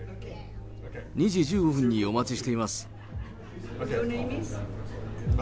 ２時１５分にお待ちしています。